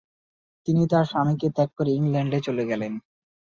তিনি তার স্বামীকে ত্যাগ করে ইংল্যান্ডে চলে গেলেন।